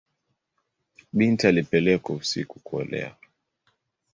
Binti alipelekwa usiku kuolewa.